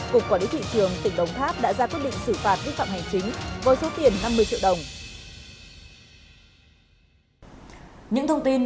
cục quản lý thị trường tỉnh đồng tháp đã ra quyết định xử phạt vi phạm hành chính với số tiền năm mươi triệu đồng